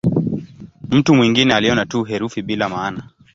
Mtu mwingine aliona tu herufi bila maana.